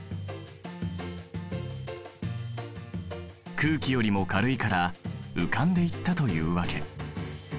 空気よりも軽いから浮かんでいったというわけ。